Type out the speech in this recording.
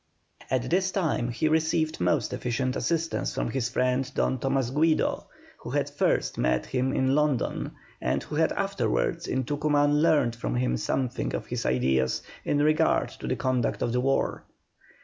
At this time he received most efficient assistance from his friend Don Tomas Guido, who had first met him in London, and who had afterwards in Tucuman learned from him something of his ideas in regard to the conduct of the war.